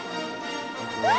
うわ！